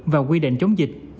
và quy định chống dịch